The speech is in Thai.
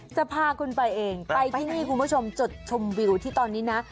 จะพาคุณไปเองไปที่นี่คุณผู้ชมจุดชมวิวที่ตอนนี้นะ